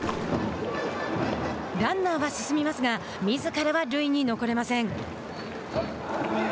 ランナーは進みますがみずからは塁に残れません。